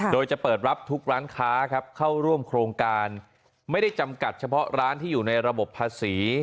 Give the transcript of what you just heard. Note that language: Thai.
โดยจะเปิดรับทุกร้านค้าครับเข้าร่วมโครงการไม่ได้จำกัดเฉพาะร้านที่อยู่ในระบบภาษี